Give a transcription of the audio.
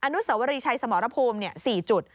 นุสวรีชัยสมรภูมิ๔จุด